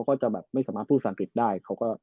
ก็จะไม่สามารถพูดสังคิดได้